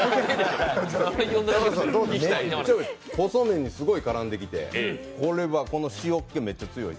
細麺にすごい絡んできて、塩気めっちゃ強い。